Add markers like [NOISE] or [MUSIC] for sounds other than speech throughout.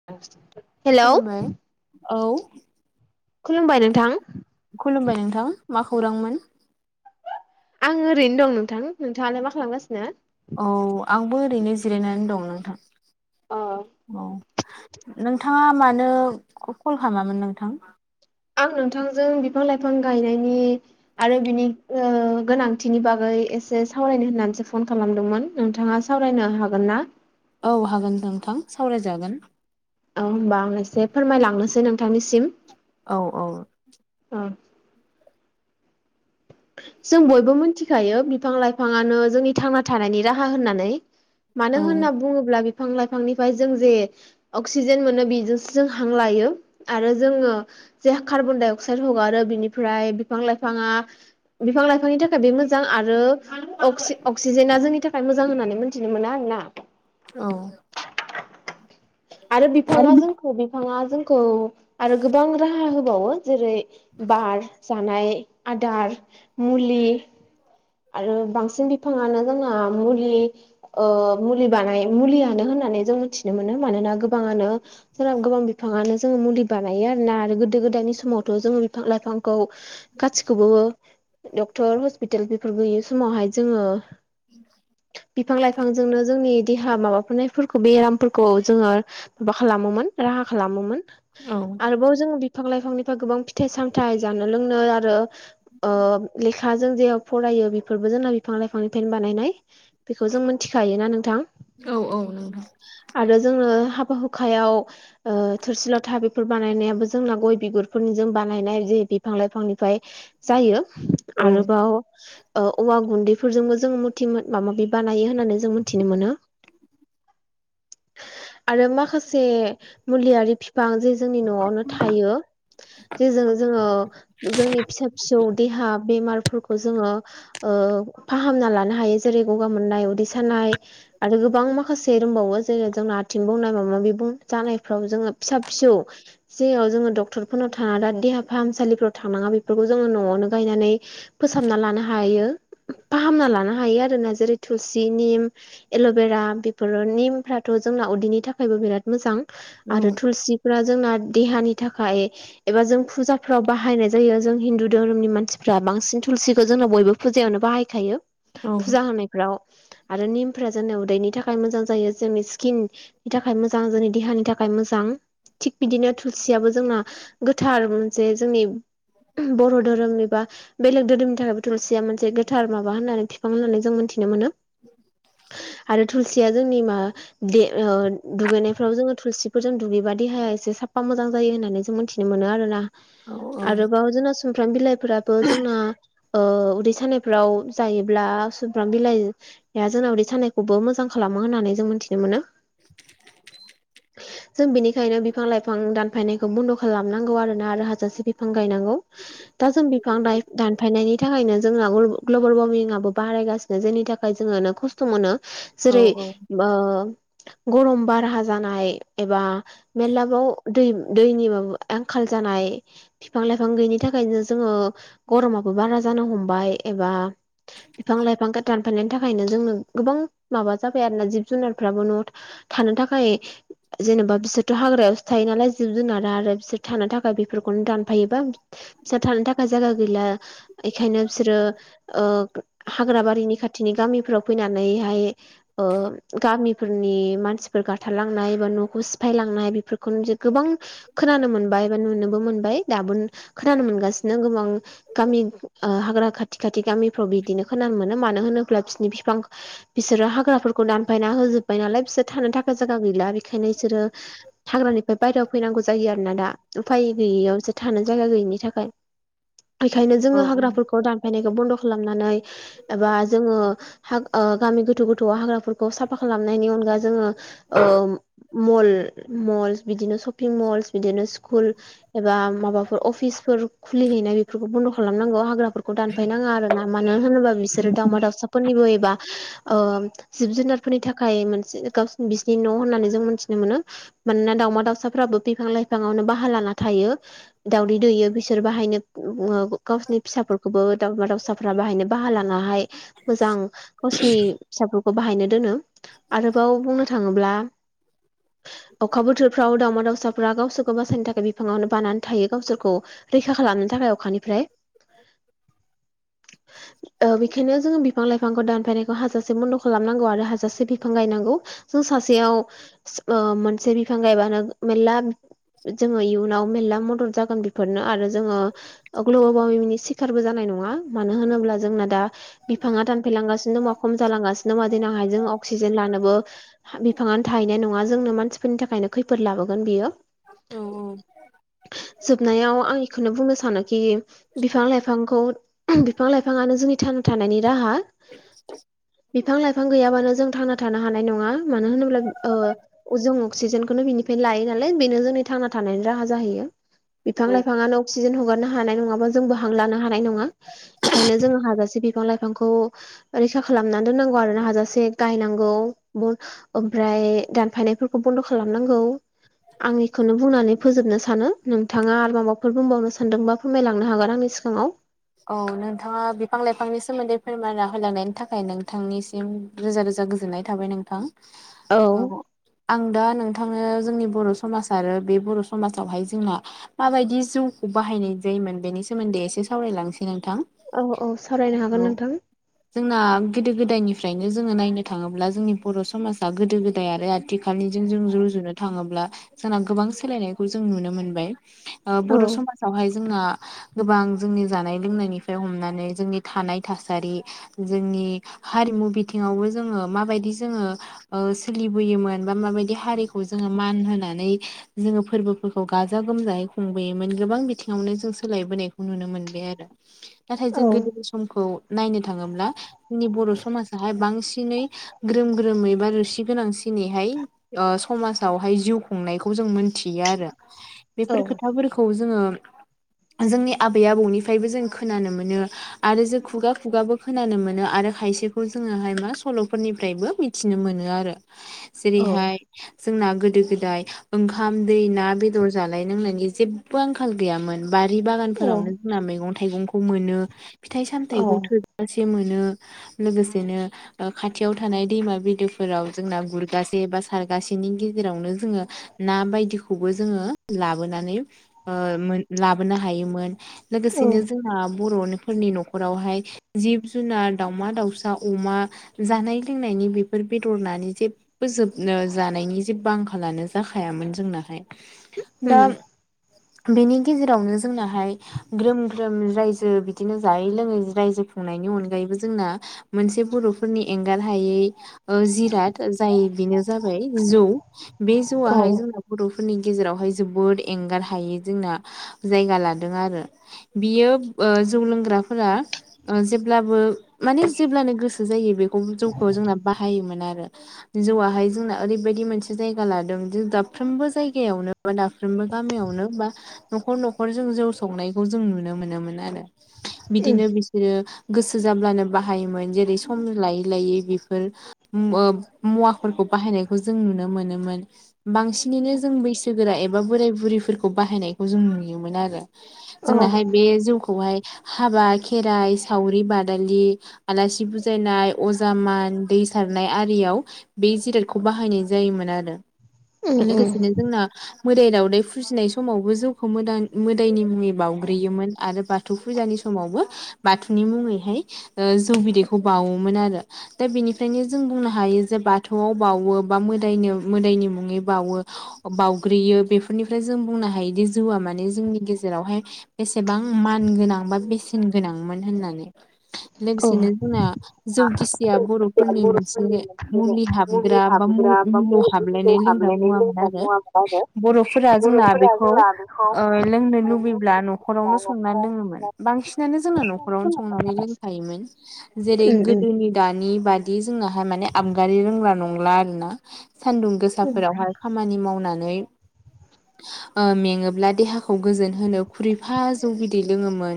[UNINTELLIGIBLE] खुलुमबाय औ। खुलुमबाय नोंथां। खुलुमबाय नोंथां मा खौरांमोन। आं ओरैनो दं नोंथां नोंथाङालाय मा खालामगासिनो? औ आंबो ओरैनो जिरायनानै दं नोंथां अ औ। नोंथाङा मानो कल खालामामोन नोंथां। आं नोंथांजों बिफां लाइफां गायनायनि आरो बिनि ओ गोनांथिनि बागै एसे सावरायनो होननानैसो फन खालामदोंमोन नोंथाङा सावरायनो हागोन ना। औ हागोन नोंथां सावरायजागोन। औ होनबा आं एसे फोरमायलांनोसै नोंथांनिसिम। औ औ। औ जों बयबो मोनथिखायो बिफां लाइफाङानो जोंनि थांना थानायनि राहा होननानै मानो औ होनना बुङोब्ला बिफां लाइफांनिफ्राय जों जे अक्सिजेन मोनो बेजोंसो जों हां लायो आरो जोङो जे कार्बन दडाइ अक्साइद हगारो बिनिफ्राय बिफां लाइफाङा बिफां लाइफांनि थाखाय बे मोजां आरो [UNINTELLIGIBLE] अक्सिजेना जोंनि थाखाय मोजां होननानै मिथिनो मोनो आरो ना। औ। आरो बिफाङा जोंखौ बिफाङा जोंखौ आरो गोबां राहा होबावो। जेरै बार जानाय आदार मुलि आरो बांसिन बिफाङानो जोंना मुलि ओ मुलि बानाय मुलियानो होननानै जों मिथिनो मोनो मानोना गोबाङानो [UNINTELLIGIBLE] गोबां बिफाङानो जोङो मुलि बानायो आरोना आरो गोदो गोदायनि समावथ' जोङो बिफां लाइफां खौ गासिखौबो डक्टर हस्पिटाल बेफोर गैयि समावहाय जोङो बिफां लाइफांजोंनो जोंनि देहा माबाफोरनायफोरखौ बेरामफोरखौ जोङो माबा खालामोमोन राहा खालामोमोन। औ आरोबाव जोङो बिफां लाइफांनिफ्राय गोबां फिथाइ सामथाय जानो लोंनो आरो। ओ लेखाजों जे फरायो बेफोरबो जोंना बिफां लाइफांनिफ्रायनो बानायनाय। बेखौ जों मोनथिखायोना नोंथां। औ औ नोंथां आरो जोङो हाबा हुखायाव ओ थोरसि लथा बे फोर बानायनायाबो जोंना गय बिगुरफोरनिजों बानायनाय जे बिफां लाइफांनिफाय जायो। औ आरोबाव ओ औवा गुन्दैफोरजोंबो जों मथिमोन माबा माबि बानायो होननानै जों मोनथिनो मोनो। आरो माखासे मुलियारि फि फां जे जोंनि न'आवनो थायो। जेजों जोङो जोंनि फिसा फिसौ देहा बेमार खौ जोङो ओ फाहामना लानो हायो। जेरै गगा मोननाय उदै सानाय आरो गोबां माखासे रोंबावो। जेरै जोंना आथिं बुंनाय माबा माबि जानायफ्राव जोङो फिसा फिसौ जेयाव जोङो डक्टरफोरनाव थाङा दा देहा फाहामसालिफोराव थांनाङा बेफोरखौ जोङो न'आवनो गायनानै फोसाबना लानो हायो। फाहामना लानो हायो आरो ना। जेरै थुलसि निम एल'भेरा बेफोरो निमफ्राथ' जोंना उदैनि थाखायबो बिराद मोजां आरो थुलसि फोरा जोंना देहानि थाखाय एबा जों फुजाफ्राव बाहायनाय जायो। जों हिन्दु दोहोरोमनि मानसिफ्रा बांसिन थुलसिखौ जोंनाव बयबो फुजायावनो बाहायखायो। औ फुजा होनाय फोराव आरो निमफ्रा जोंनि उदैनि थाखाय मोजां जायो जोंनि स्किन नि थाखाय मोजां जोंनि देहानि थाखाय मोजां। थिग बिदिनो थुलसियाबो जोंना गोथार मोनसे जोंनि बर' धोरोमनि बा बेलेग धोरोमनि थाखायबो थुलसिया मोनसे गोथार माबा होननानै फिफां होननानै जों मोनथिनो मोनो। [INAUDIBLE] आरो थुलसिया जोंनिया मा दे ओ दुगैनायफ्राव जोङो थुलसिफोरजों दुगैबा देहाया एसे साफा मोजां जायो होननानै जों मोनथि मोनो आरो ना। आरोबाव जोंना सुमफ्राम बिलाइफोराबो जोंना ओ उदै सानायफ्राव जायोब्ला सुमफ्राम बिलाइ [UNINTELLIGIBLE] उदै सानायखौबो मोजां खालामो होननानै जों मोनथिनो मोनो। जों बिनिखायनो बिफां लाइफां दानफायनायखौ बन्द' खालामनांगौ आरो ना आरो हाजासे बिफां गायनांगौ। दा जों बिफां दाइ दानफायनायनि थाखायनो जोंना [UNINTELLIGIBLE] ग्लबेल वारमिंआबो बारायगासिनो जायनि थाखाय जोङोनो खस्थ' मोनो। औ जेरै ओ गरम बारहा जानाय एबा मेरलाबाव दै दैनि माबा आंखाल जानाय फिफां लाइफां गैयिनि थाखायनो जोङो गरमाबो बारा जानो हमबाय एबा बिफां लाइफांखौ दानफाननायनि थाखायनो जोंनो गोबां माबा जाबाय आरो ना जिब जुनारफ्राबो न'आव थानो थाखाय जेनेबा बिसोरथ' हाग्रायावसो थायो नालाय जिब जुनारा आरो बिसोर थानो थाखाय बेफोरखौनो दानफायोबा फिसा थानो थाखाय जायगा गैला एखायनो बिसोरो ओ हाग्राबारिनि खाथिनि गामिफ्राव फैनानैहाय ओ गामिफोरनि मानसिफोर गाथारलांनाय एबा न'खौ सिफायलांनाय बेफोरखौनो जे गोबां खोनानो मोनबाय बा नुनोबो मोनबाय। दाबोनो खोनानो मोनगासिनो गोबां गामि ओ हाग्रा खाथि खाथि गामिफ्राव बिदिनो खोनानो मोनो। मानो होनोब्ला बिसोरनि फिफां बिसोरो हाग्राफोरखौ दानफायना होजोबबाय नालाय बिसोर थानो थाखाय जायगा गैला बेखायनो इसोरो हाग्रानिफ्राय बायेरायाव फैनांगौ जायो आरो ना दा उफाय गैयैयावसो थानो जायगा गैयिनि थाखाय। बेखायनो जोङो हाग्राफोरखौ दानफायनायखो बन्द' खालामनानै एबा जोङो हाग ओ गामि गोथौ गोथौ हाग्राफोरखौ साफा खालामनायनि अनगा जोङो ओ मल मल्स बिदिनो सपिं मल्स बिदिनो स्कुल एबा माबाफोर अफिसफोर खुलिहै नाय बेफोरखौ बनद' खालामनांगौ। हाग्राफोरखौ दानफाय नाङा आरो ना। मानो होनोबा बिसोरो दाउमा दाउसाफोरनिबो एबा ओ जिब जुनारफोरनि थाखाय मोनसे गावसिनि बिसिनि न' होननानै जों मोनथिनो मोनो। मानोना दाउमा दाउसाफ्राबो बिफां लाइफाङावनो बाहा लाना थायो। दावदै दैयो बिसोर बाहायनो [UNINTELLIGIBLE] गावसोरनि फिसाफोरखौबो दाउमा दाउसाफोरा बाहायनो बाहा लानाहाय मोजां गावसिनि फिसाफोरखौ बाहायनो दोनो आरोबाव बुंनो थाङोब्ला अखा बोथोरफ्राव दाउमा दाउसाफ्रा गावसोरखौ बासायनो थाखाय बिफाङावनो बानानै थायो गावसोरखौ रैखा खालामनो थाखाय अखानि ओमफ्राय ओ बेखायनो जो बिफां लाइफांखौ दानफायनाय हाजासे बन्द' खालामनांगौ आरो हाजासे बिफां गायनांगौ जों सासेयाव ओ मोनसे बिफां गायबानो मेलला जोङो इयुनाव मेरला मदद जागोन बेफोरनो आरो जोङो ग्लबेल वार्मिंनि सिखारबो जानाय नङा मानो होनोब्ला जोंना दा बिफाङा दानफायलांगासिनो दङ खम जालांगासिनो दङ दिनांहायजों अक्सिजेन लानोबो बिफाङानो थाहैनाय नङा जोंनो मानसिफोरनि थाखायनो खैफोद लाबोगोन बियो औ जोबनायाव आं बेखौनो बुंनो सानोखि बिफां लाइफांखौ बिफां लाइफाङानो जोंनि थांना थानायनि राहा बिफां लाइफां गैयाबानो जों थांना थानो हानाय नङा मानो होनोब्ला ओ जों अक्सिजेनखौनो बिनिफ्रायनो लायो नालाय बेनो जोंनि थांना थानायनि राहा जाहैयो बिफां औ लाइफाङानो अक्सिजेन हगारनो हानाय नङाबा जोंबो हां लानो हानाय नङा बेखायनो जोङो हाजासे बिफां लाइफांखौ रैखा खालामनानै दोननांगौ आरो ना हाजासे गायनांगौ ओमफ्राय दानफायनायफोरखौ बे बनद' खालामनांगौ आं बेखौनो बुंनानै फोजोबनो सानो नोंथाङा आरोबाव बाफोर बुंबावनो सानदोंबा फोरमायलांनो हागोन आंनि सिगाङाव औ नोंथाङा बिफां लाइफांनि सोमोन्दै फोरमायना होलांनायनि थाखाय नोंथांनिसिम रोजा रोजा गोजोननाय थाबाय नोंथां औ आं दा नोंथां नो जोंनि बर' समाज आरो बे बर' समाजावहाय जोंहा माबायदि जिउखौ बाहायनाय जायोमोन बेनि सोमोन्दै एसे सावरायलांसै नोंथां औ औ सावरायनो हागोन औ नोंथां जोंना गोदो गोदायनिफ्रायनो जोङो नायनो थाङोब्ला जोंनि बर' समाजा गोदो गोदाय आरो आथिखालनिजों जों रुजुनो थाङोब्ला जोंना गोबां सोलायनायखौ जों नुनो मोनबाय ओ औ बर' समाजावहाय जोंना गोबां जोंनि जानाय लोंनायनिफ्राय हमनानै जोंनि थानाय थासारि जोंनि हारिमु बिथिङावबो जोङो माबायदि जोङो ओ सोलिबोयोमोन बा माबायदि हारिखौ जोङो मान होनानै जोङो फोरबोफोरखौ गाजा गोमजायै खुंबोयोमोन गोबां बिथिङावनो जों सोलायबोनायखौ नुनो मोनबाय आरो नाथाय जों औ गोदोनि समखौ नायनो थाङोब्ला जोंनि बर' समाजाहाय बांसिनै ग्रोम ग्रोमै बा रुसि गोनांसिन दिनैहाय ओ समाजावहाय जिउ खुंनायखौ जों मोनथियो आरो बेफोर खोथाफोरखौ जोङो जोंनि आबै आबौनिफ्रायबो जों खोनानो मोनो आरो जों खुगा खुगाबो खोनानो मोनो आरो खायसेखौ जोङोहाय मा सल'फोरनिफ्रायबो मि थिनो मोनो आरो [INAUDIBLE] जेरैहाय जोंना गोदो गोदाय ओंखाम दै ना बेदर जानाय लोंनायनि जेब्बो आंखाल गैयामोन बारि बागान औ फोरावनो जोंना मैगं थाइगंखौ मोनो फिथाइ सामथाइखौ थोजासे मोनो लोगोसेनो खाथियाव थानाय दैमा बिलोफोराव जोंना गुरगासे बा सारगासेनि गेजेरावनो जोङो ना बायदिखौबो जोङो लाबोनानै ओ मोन लाबोनो हायोमोन लोगोसेनो बर'फोरनि जोंहा बर'फोरनि न'खरावहाय जिब जुनार दाउमा दाउसा अमा जानाय लोंनायनि बेफोर बेदर नानि जेब फोजोबनो जानायनि जेबो आंखालानो जाखायामोन जोंनाहाय दा बेनि गेजेरावनो जोंनाहाय ग्रोम ग्रोम रायजो बिदिनो जायै लोङै रायजो खुंनायनि अनगायैबो जोंना मोनसे बर'फोरनि एंगार हायै ओ जिराद जाय बेनो जाबाय जौ बे जौआहाय जोंनाव बर'फोरनि गेजेरावहाय जोबोद एंगार हायै जोंना जायगा लादों आरो। बियो ओ जौ लोंग्राफोरा ओ जेब्लाबो माने जेब्लानो गोसो जायो बेखौ जौखौ जोंना बाहायोमोन आरो। जौवाहाय जोंना ओरैबायदि मोनसे जायगा लादों जि दाबफ्रोमबो जायगायावनो बा दाबफ्रोमबो गामियावनो बा न'खर न'खर जोङो जौ संनायखौ जों नुनो मोनोमोन आरो। बिदिनो बि दिनो गोसो जाब्लानो बाहायोमोन जेरै सम लायै लायै बेफोर ओ मुवाफोरखौ बाहायनायखौ जों नुनो मोनोमोन। बांसिनैनो जों बैसोगोरा एबा बोराय बुरिफोरखौ बाहायनायखौ जों नुयोमोन आरो। जोंनाहाय बे जौखौहाय हाबा खेराइ सावरि बादालि आलासि बुजायनाय अजा मान दै सारनाय आरियाव बे जिरादखौ बाहायनाय जायोमोन आरो। लोगोसेनो जोंना मोदाय दावदाय फुजिनाय समावबो जौखौ मोदां-मोदायनि नि बावउग्रोयोमोन आरो बाथौ फुजानि समावबो बाथौनि मुङैहाय ओ जौ बिदैखौ बावोमोन आरो। दा बेनिफ्रायनो जों बुंनो हायो जे बाथौआव बावो बा मोदायनो मोदायनि मुङै बावो बाउग्रोयो बेफोरनिफ्राय जों बुंनो हायोदि जौआ माने जोंनि गेजेरावहाय बेसेबां मान गोनां बा बेसेन गोनांमोन होननानै। लोगोसेनो जोंना जौ गिसिया बर'फोरनि मोनसे मुलि हाब मुलि ग्रा बा हाबग्रा बा मुलौ मुलियाव हाबलायनाय लोंग्रा हाबलायनाय मुवामोन लोंग्रा आरो आरो बर'फोरा जोंना बर'फोरा बेखौ जोंना औ ओ लोंनो लुबैब्ला न'खरावनो संनानै लोङोमोन बांसिनानो जोंना न'खरावनो संनानै लोंखायोमोन। जेरै गोदोनि दानि बादि जोंनाहाय माने आबगारि रोंला नंला आरो ना। सान्दुं गोसाफोरावहाय खामानि मावनानै ओ मेङोब्ला देहाखौ गोजोन होनो खुरैफा जौ बिदै लोङोमोन।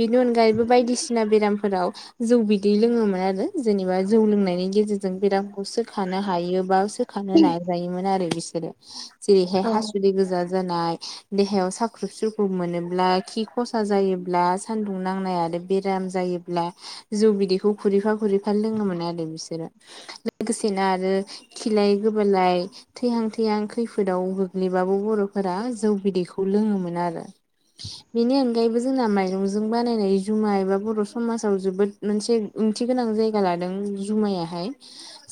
बेनि अनगायैबो बायदिसिना बेरामफोराव जौ बिदै लोङोमोन आरो। जेनेबा जौ लोंनायनि गेजेरजों बेरामखौ सोखानो हायो बा सोखानो नाजायोमोन आरो बिसोर। जेरैहाय हासुदै गोजा जानाय देहायाव सा ख्रुब सुख्रुब मोनोब्ला खि खसा जायोब्ला सान्दुं नांनाय आरो बेराम जायोब्ला जौ बिदैखौ खुरैफा खुरैफा लोङोमोन आरो बिसोरो लोगोसेनो आरो खिलाय गोबालाय थैहां थैहां खैफोदाव गोग्लैबाबो बर'फोरा जौ बिदैखौ लोङोमोन आरो। बेनि अनगायैबो जोंना माइरंजों बानायनाय जुमाय एबा बर' समाजाव जोबोद मोनसे ओंथि गोनां जायगा लादों जुमायाहाय।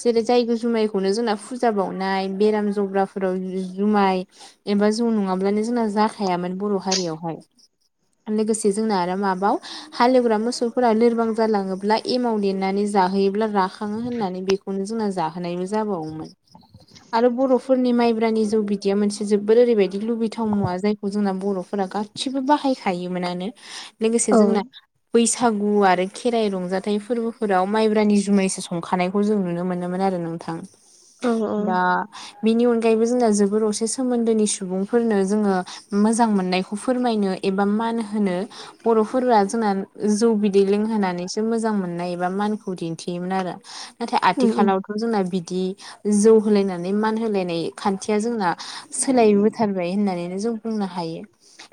जेरै जाय जुमायखौनो जोंना फुजा बावनाय बेराम जग्राफोराव जुमाय एबा जौ नङाब्लानो जोंना जाखायामोन बर' हारियावहाय। लोगोसे जोंना आरो माबाव हालेवग्रा मोसौफोरा लोरबां जालाङोब्ला एमाव देनानै जाहोयोब्ला राखङो होननानै बेखौ नो जोंना जाहोनायबो जाबावोमोन। आरो बर'फोरनि माइब्रानि जौ बिदिया मोनसे जोबोर ओरैबायदि लुबैथाव मुवा जाय जोंना बर'फोरा गासिबो बाहायखायोमोनानो लोगोसे औ जों बै बैसागु आरो खेराइ रंजाथाइ फोरबोफोराव माइब्रानि जुमायसो संखानायखौ जों नुनो मोनोमोन आरो नोंथां। औ बा बेनि अनगायैबो जोंना जोबोर असे सोमोन्दोनि सुबुंफोरनो जोङो मोजां मोननायखौ फोरमायनो एबा मान होनो बर'फोराआ जोंना जौ बिदै लोंहोनानैसो मोजां मोननाय एबा मानखौ दिन्थियोमोन आरो। नाथाय आथिखालावथ' जोंना बिदि जौ होलायनानै मान होलायनाय खान्थिया जोंना सोलायबोथारबाय होननानैनो जों बुंनो हायो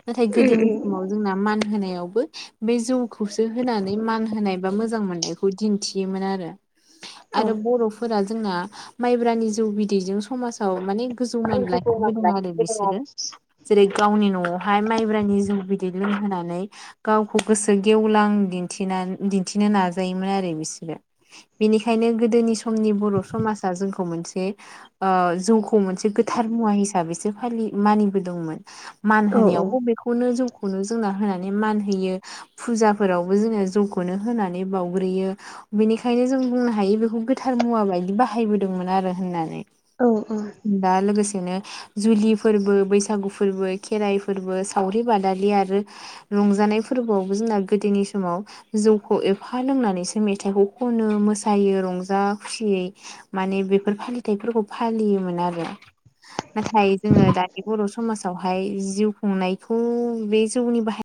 नाथाय गोदोनि समाव जोंना मान होनायावबो बे जौखौसो होनानै मान होनाय बा मोजां मोननायखौ दिन्थियोमोन आरो आरो बर' फोर जोंना माइब्रानि जौ बिदैजों समाज व माने गोजौ मान गोथौ लाखिबोदों आरो लाखिबोदों आरो बिसोरो जेरै गावनि न'आवहाय माइब्रानि जौ बिदै लोंहोनानै गावखौ गोसो गेवलां दिन्थि दिन्थिनो नाजायोमोन आरो बिसोरो बेनिखायनो गोदोनि समनि बर' समाजा जोंखौ मोनसे ओ जौखौ मोनसे गोथार मुवा हिसाबैसो फालि मानि दमोन मान औ होनायावबो बेखौनो जौखौनो जोंना होनानै मान होयो। फुजाफोरावबो जोङो जौखौनो होनानै बाउग्रोयो। बेनिखायनो जों बुंनो हायो बेखौ गोथार मुवा बायदि बाहायबोदोंमोन आरो होननानै औ औ दा लोगोसेनो जुलि फोरबो बैसाग बैसागु फोरबो खेराइ फोरबो सावरि बादालि आरो रंजानाय फोरबोआवबो जोंना गोदोनि समाव जौखौ एफा लोंनानैसो मेथाइखौ खनो मोसायो रंजा खुसियै माने बेफोर फालिथायाइफोरखौ फालियोमोन आरो नाथाय जोङो दानि बर' समाजावहाय जिउ खुंनायखौ बे जौनि बाहाय